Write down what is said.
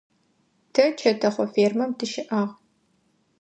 Тэ чэтэхъо фермэм тыщыӏагъ.